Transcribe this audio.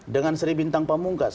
dengan sri bintang pamungkas